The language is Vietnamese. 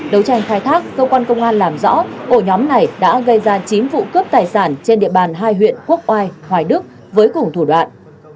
đấu tranh khai thác cơ quan công an làm rõ ổ nhóm này đã gây ra chín vụ cướp tài sản trên địa bàn hai huyện quốc oai hoài đức với cùng thủ đoạn